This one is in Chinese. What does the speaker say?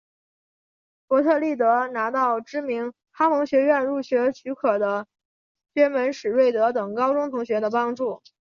伯特利得到拿到知名哈蒙学院入学许可的薛门史瑞德等高中同学的帮助。